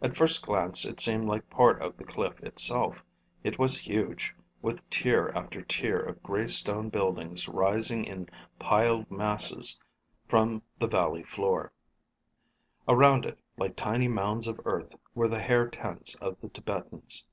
At first glance it seemed like part of the cliff itself. It was huge, with tier after tier of gray stone buildings rising in piled masses from the valley floor. Around it, like tiny mounds of earth, were the hair tents of the Tibetans.